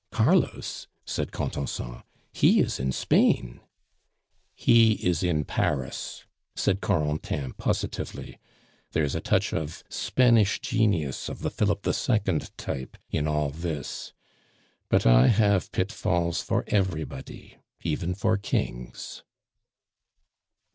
"Carlos?" said Contenson, "he is in Spain." "He is in Paris," said Corentin positively. "There is a touch of Spanish genius of the Philip II. type in all this; but I have pitfalls for everybody, even for kings."